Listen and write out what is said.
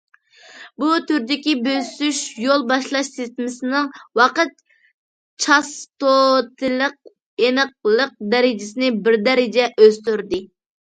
بۇ تۈردىكى بۆسۈش يول باشلاش سىستېمىسىنىڭ ۋاقىت چاستوتىلىق ئېنىقلىق دەرىجىسىنى بىر دەرىجە ئۆستۈردى.